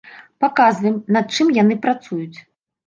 Паказваем, над чым яны працуюць.